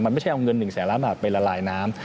มันไม่ใช่เอาเงิน๑แสนล้านบาทไปละลายน้ำ